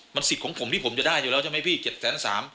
มันสิทธิ์ของผมที่ผมจะได้อยู่แล้วใช่ไหมพี่๗๓๐๐